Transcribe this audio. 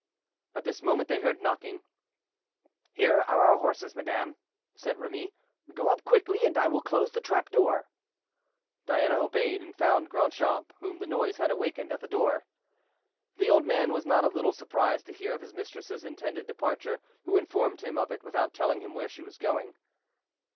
At this moment they heard knocking. "Here are our horses, madame," said Remy; "go up quickly, and I will close the trap door." Diana obeyed, and found Grandchamp, whom the noise had awakened, at the door. The old man was not a little surprised to hear of his mistress's intended departure, who informed him of it without telling him where she was going.